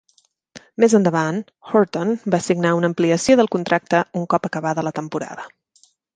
Més endavant, Horton va signar una ampliació del contracte un cop acabada la temporada.